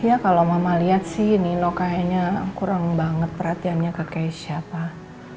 ya kalau mama lihat sih nino kayaknya kurang banget perhatiannya ke keisha pak